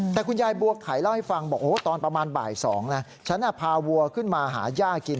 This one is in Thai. แต่คุณยายบัวไข่เล่าให้ฟังบอกตอนประมาณบ่าย๒นะฉันพาวัวขึ้นมาหาย่ากิน